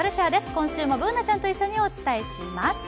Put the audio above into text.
今週もＢｏｏｎａちゃんと一緒にお伝えします。